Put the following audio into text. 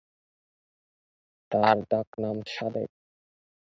তার ডাক নাম সাদেক।